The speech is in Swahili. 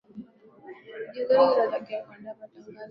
redio zote zinatakiwa kuandaa matangazo mazuri sana